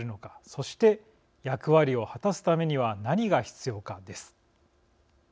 そして、役割を果たすためには何が必要かです。